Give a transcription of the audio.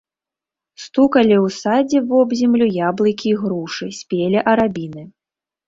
Стукалі ў садзе вобземлю яблыкі і грушы, спелі арабіны.